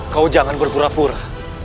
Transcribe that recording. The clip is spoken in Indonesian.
kau jangan berpura pura